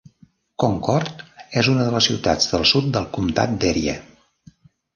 Concord és una de les "Ciutats del Sud" del comtat d'Erie.